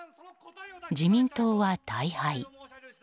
自民党は大敗。